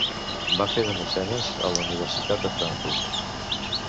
Va fer de mecenes a la Universitat de Frankfurt.